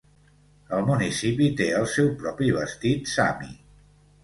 El municipi té el seu propi vestit sami.